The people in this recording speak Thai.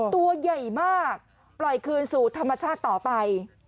ตัวใหญ่มากปล่อยคืนสู่ธรรมชาติต่อไป